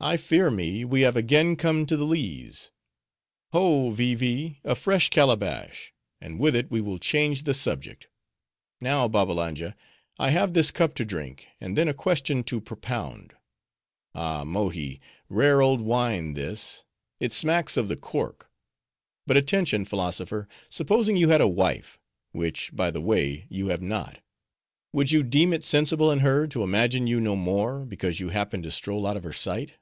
I fear me we have again come to the lees. Ho, Vee Vee, a fresh calabash; and with it we will change the subject. Now, Babbalanja, I have this cup to drink, and then a question to propound. Ah, Mohi, rare old wine this; it smacks of the cork. But attention, Philosopher. Supposing you had a wife—which, by the way, you have not—would you deem it sensible in her to imagine you no more, because you happened to stroll out of her sight?"